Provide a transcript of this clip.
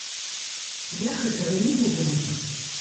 Я гэтага не буду рабіць.